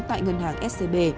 tại ngân hàng scb